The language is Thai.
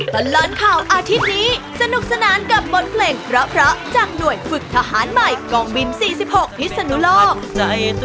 ตลอดข่าวอาทิตย์นี้สนุกสนานกับบทเพลงเพราะจากหน่วยฝึกทหารใหม่กองบิน๔๖พิศนุโลก